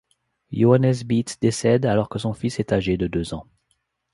Johannes Beetz décède alors que son fils est âgé de deux ans.